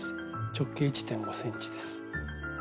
直径１．５ｃｍです。